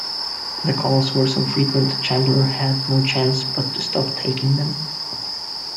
The calls were so frequent, Chandler had no choice but to stop taking them.